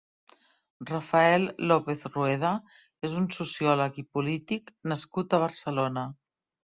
Rafael López Rueda és un sociòleg i polític nascut a Barcelona.